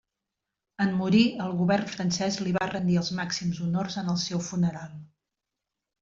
En morir el Govern francès li va rendir els màxims honors en el seu funeral.